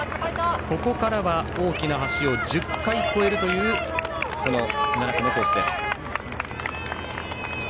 ここからは大きな橋を１０回越えるという７区のコースです。